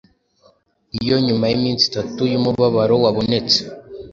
Iyo nyuma yiminsi itatu yumubabaro wabonetse,